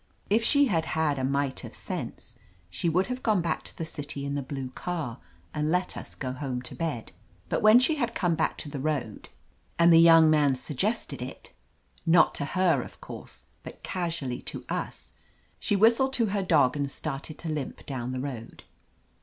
If she had a mite of sense she would have gone back to the city in the blue car and let us go home to bed. But when she had come back to the road and the young man suggested 250 OF LETITIA CARBERRY it — ^not to her, of course, but casually to us— she whistled to her dog and started to limp down the road.